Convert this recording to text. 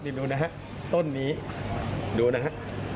นี่ดูนะฮะต้นนี้ดูนะฮะ